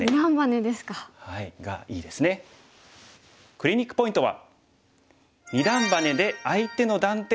クリニックポイントは。